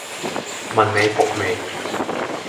問你服未